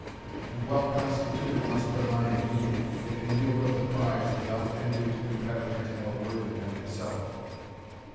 and well constituted must the mind be, that can yield up the prize without envy to competitors more worthy than himself.